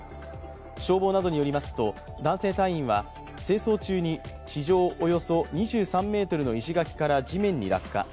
消防などによりますと男性隊員は清掃中に地上およそ２３ｍの石垣から地面に落下。